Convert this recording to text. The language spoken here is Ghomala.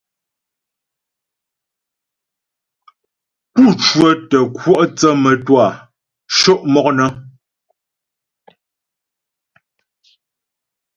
Pú cwə́tə kwɔ' thə́ mə́twâ sho' mɔk nə.